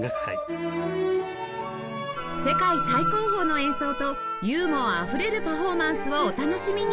世界最高峰の演奏とユーモアあふれるパフォーマンスをお楽しみに